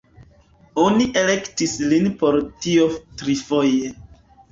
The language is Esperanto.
Oni elektis lin por tio trifoje.